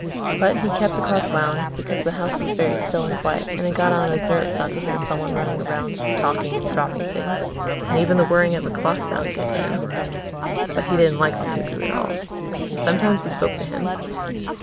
But he kept the clock wound, because the house was very still and quiet and it got on his nerves not to hear someone running around, talking and dropping things. And even the whirring of a clock sounded good to him. But he didn't like the cuckoo at all. And sometimes he spoke to him.